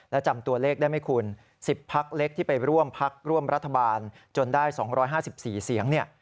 และจำตัวเลขได้ไหมคุณ๑๐พักเล็กที่ไปร่วมพักร่วมรัฐบาลจนได้๒๕๔เสียงเนี่ย